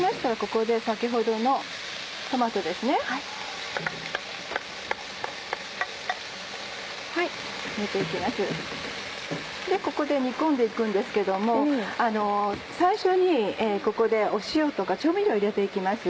ここで煮込んで行くんですけども最初にここで塩とか調味料を入れて行きます。